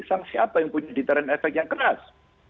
saksi apa yang punya deteren efek yang keras